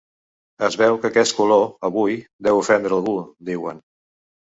Es veu que aquest color, avui, deu ofendre “algú”, diuen.